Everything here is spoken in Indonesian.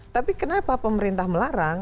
tapi kenapa pemerintah melarang